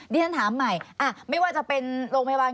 ที่ฉันถามใหม่ไม่ว่าจะเป็นโรงพยาบาล